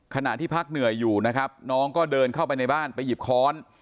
ขณะที่พักเหนื่อยอยู่นะครับน้องก็เดินเข้าไปในบ้านไปหยิบค้อน